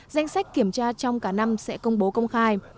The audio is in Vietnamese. danh sách kiểm tra trong cả năm sẽ công bố công khai